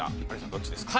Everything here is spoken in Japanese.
どっちですか？